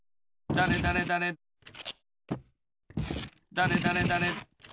だれだれだれ。